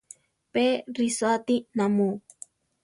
¿Pé risoáti namu?